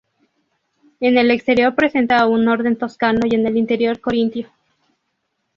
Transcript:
En el exterior presenta un orden toscano y en el interior corintio.